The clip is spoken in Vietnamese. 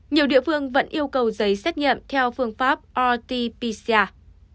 nhiều địa phương vẫn yêu cầu giấy xét nghiệm theo phương pháp rt pcr